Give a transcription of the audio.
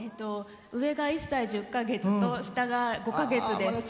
上が１歳１０か月と下が５か月です。